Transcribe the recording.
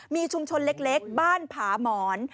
มีชุมชนเล็กบ้านผาหมอน